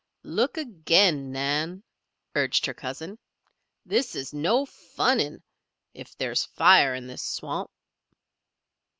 "Look again, Nan," urged her cousin. "This is no funning. If there's fire in this swamp."